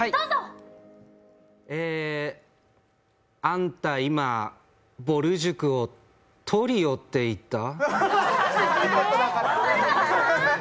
あんた今、ぼる塾をトリオって言った？